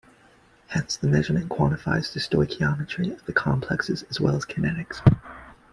Hence the measurement quantifies the stoichiometry of the complexes as well as kinetics.